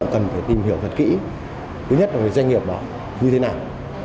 cần phải tìm hiểu thật kỹ thứ nhất là về doanh nghiệp đó như thế nào